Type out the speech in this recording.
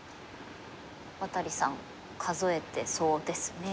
渡利さん数えてそうですね